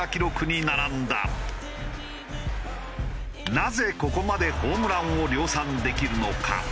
なぜここまでホームランを量産できるのか？